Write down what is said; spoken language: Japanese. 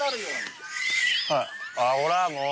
ほらもう！